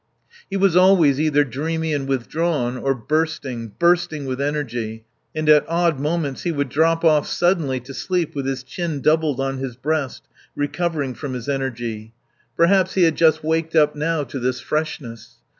He was always either dreamy and withdrawn, or bursting, bursting with energy, and at odd moments he would drop off suddenly to sleep with his chin doubled on his breast, recovering from his energy. Perhaps he had just waked up now to this freshness.